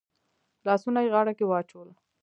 لاسونه يې غاړه کې واچول.